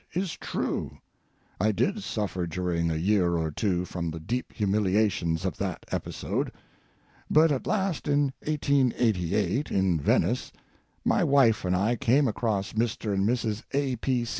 is true. I did suffer during a year or two from the deep humiliations of that episode. But at last, in 1888, in Venice, my wife and I came across Mr. and Mrs. A.